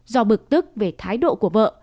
do bực tức về thái độ của vợ